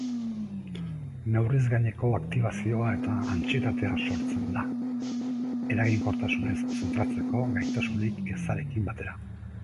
Neurriz gaineko aktibazioa eta antsietatea sortzen da, eraginkortasunez zentratzeko gaitasunik ezarekin batera.